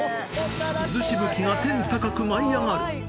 水しぶきが天高く舞い上がる。